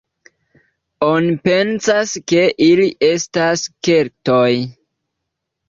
Oni pensas ke ili estis Keltoj.